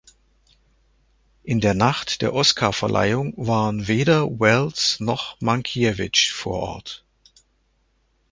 In der Nacht der Oscarverleihung waren weder Welles noch Mankiewicz vor Ort.